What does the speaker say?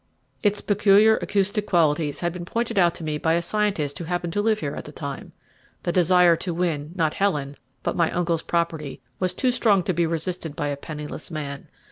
Its peculiar acoustic qualities had been pointed out to me by a scientist who happened to live there at the time. The desire to win, not Helen, but my uncle's property, was too strong to be resisted by a penniless man.